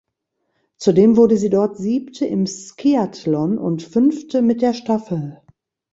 Zudem wurde sie dort Siebte im Skiathlon und Fünfte mit der Staffel.